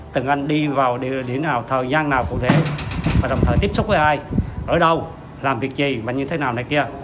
từng anh đi vào địa điểm nào thời gian nào cụ thể và đồng thời tiếp xúc với ai ở đâu làm việc gì mà như thế nào này kia